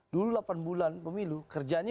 dulu delapan bulan pemilu kerjanya